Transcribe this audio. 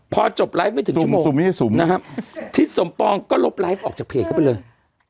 พอจบไลฟ์ไม่ถึงชุมไม่ใช่สุ่มนะครับทิศสมปองก็ลบไลฟ์ออกจากเพจเข้าไปเลย